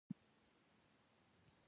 هغې همدا شېبه هغه سړی په خپل همت مات کړ.